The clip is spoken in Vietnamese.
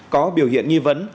có biểu hiện nghi vấn